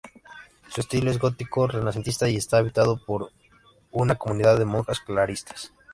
Su estilo es gótico-renacentista y está habitado por una comunidad de monjas clarisas.